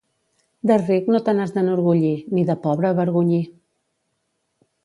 De ric no te n'has d'enorgullir, ni de pobre avergonyir.